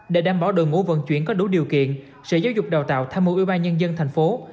để đảm bảo đội ngũ vận chuyển có đủ điều kiện sở giáo dục đào tạo tham mưu ủy ban nhân dân thành phố